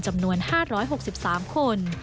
จำนวน๕๖๓คน